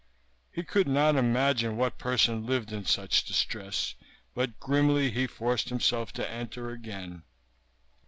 He could not imagine what person lived in such distress; but grimly he forced himself to enter again.